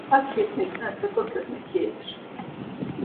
Aç gezmektense tok ölmek yeğdir.